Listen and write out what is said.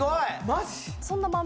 マジ？